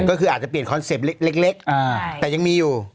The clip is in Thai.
ก็คืออาจจะเปลี่ยนคอนเซ็ปต์เล็กแต่ยังมีอยู่